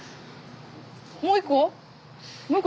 もう一個？